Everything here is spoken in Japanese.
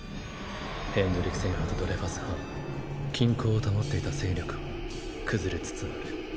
ヘンドリクセン派とドレファス派均衡を保っていた勢力は崩れつつある。